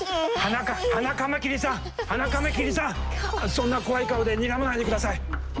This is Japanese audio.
そんな怖い顔でにらまないでください。